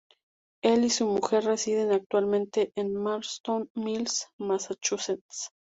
Él y su mujer residen actualmente en Marston Mills, Massachusetts.